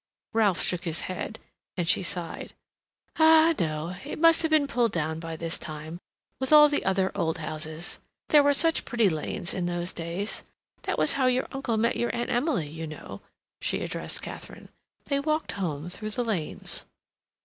Ralph shook his head, and she sighed. "Ah, no; it must have been pulled down by this time, with all the other old houses. There were such pretty lanes in those days. That was how your uncle met your Aunt Emily, you know," she addressed Katharine. "They walked home through the lanes."